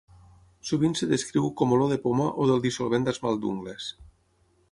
Sovint es descriu com olor de poma o del dissolvent d'esmalt d'ungles.